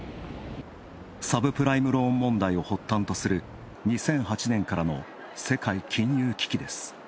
サブプライムローン問題を発端とする２００８年からの世界金融危機です。